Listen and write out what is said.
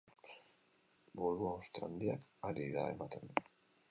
Buruhauste handiak ari da ematen.